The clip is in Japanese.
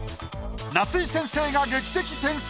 夏井先生が劇的添削。